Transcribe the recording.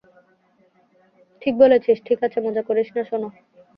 ঠিক বলেছিস, ঠিক আছে, মজা করিস, সোনা।